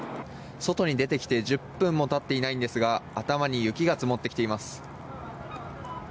外に出てきて１０分も経っていないんですが頭に雪が積もってきています。